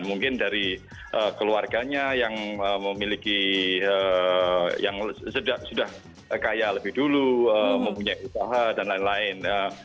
mungkin dari keluarganya yang memiliki yang sudah kaya lebih dulu mempunyai usaha dan lain lain